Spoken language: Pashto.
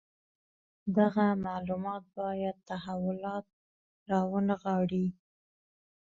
دغه معلومات باید تحولات راونغاړي.